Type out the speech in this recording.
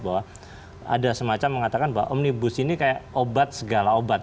bahwa ada semacam mengatakan bahwa omnibus ini kayak obat segala obat